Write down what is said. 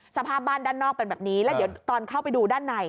สภาพบ้านด้านนอกเป็นแบบนี้แล้วเดี๋ยวตอนเข้าไปดูด้านใน